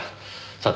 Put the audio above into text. さて。